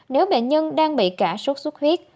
nếu bệnh nhân đang bị cả sốt sốt huyết